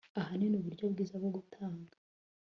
Ahanini uburyo bwiza bwo gutanga